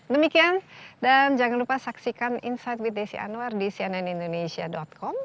demikian dan jangan lupa saksikan insight with desi anwar di cnnindonesia com